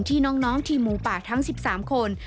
ที่น้องทีมหมูป่าทั้ง๑๓คน